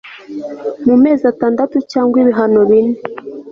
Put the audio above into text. mumezi atandatu cyangwa ibihano bine